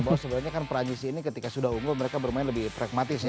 bahwa sebenarnya kan perancis ini ketika sudah unggul mereka bermain lebih pragmatis ya